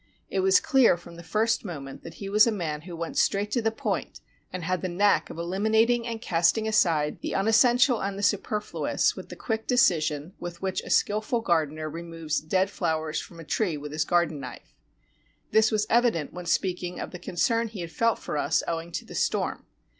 It was clear from the first moment that he was a man who went straight to the point and had the knack of eliminating and casting aside the unessential and the superfluous with the quick decision with which a skillful gardener removes dead flowers from a tree with his garden knife. This was evident when sp>eaking of the concern he had felt for us owing to the storm.